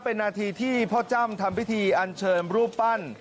เป็นนาทีที่พ่อจ้ำทำพิธีอันเชิญรูปปั้น